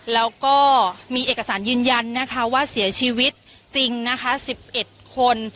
แล้วก็มีเอกสารยืนยันนะคะว่าเสียชีวิตจริงนะคะ๑๑คน